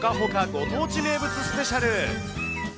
ご当地名物スペシャル。